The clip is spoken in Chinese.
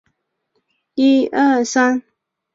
该剧主要以米安定逃过一劫。